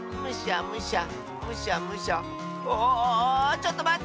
ちょっとまって！